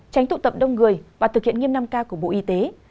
tránh tụ tập đông người và thực hiện nghiêm năm k của bộ y tế